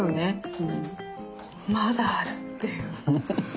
まだあるっていう。